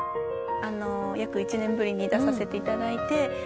約１年ぶりに出させていただいて。